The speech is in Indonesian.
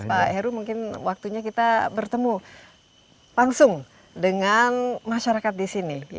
pak heru mungkin waktunya kita bertemu langsung dengan masyarakat di sini